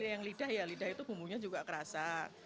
yang lidah ya lidah itu bumbunya juga kerasa